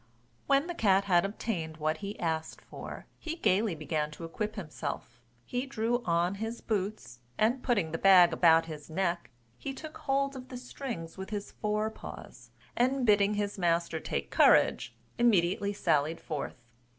When the cat had obtained what he asked for, he gayly began to equip himself: he drew on his boots; and putting the bag about his neck, he took hold of the strings with his fore paws, and bidding his master take courage, immediately sallied forth.